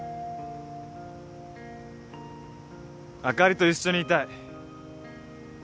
あかりと一緒にいたい。